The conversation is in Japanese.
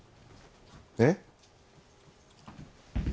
えっ？